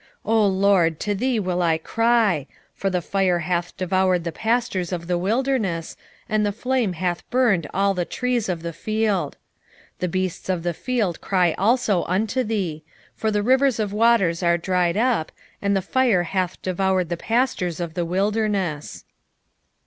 1:19 O LORD, to thee will I cry: for the fire hath devoured the pastures of the wilderness, and the flame hath burned all the trees of the field. 1:20 The beasts of the field cry also unto thee: for the rivers of waters are dried up, and the fire hath devoured the pastures of the wilderness.